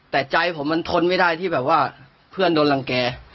แต่ใจผมมันทนไม่ได้ที่แบบว่าเพื่อนโดนรังแก่